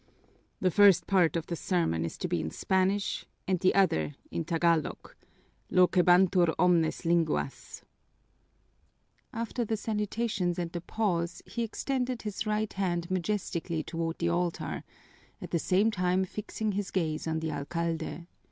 "The first part of the sermon is to be in Spanish and the other in Tagalog; loquebantur omnes linguas." After the salutations and the pause he extended his right hand majestically toward the altar, at the same time fixing his gaze on the alcalde.